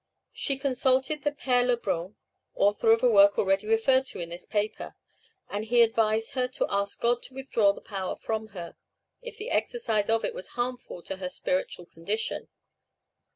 She consulted the Père Lebrun, author of a work already referred to in this paper, and he advised her to ask God to withdraw the power from her, if the exercise of it was harmful to her spiritual condition.